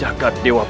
aku akan menang